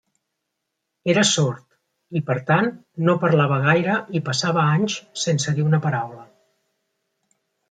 Era sord i, per tant, no parlava gaire i passava anys sense dir una paraula.